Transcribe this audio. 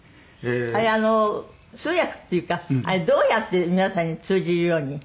あれ通訳っていうかどうやって皆さんに通じるように？